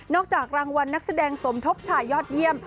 จากรางวัลนักแสดงสมทบชายยอดเยี่ยม